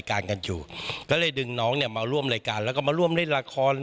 และจัดตูกละไหอย่างกับพี่ท่าน